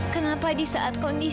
kenapa di saat kondisi